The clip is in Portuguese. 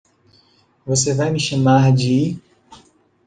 Você vai me chamar de?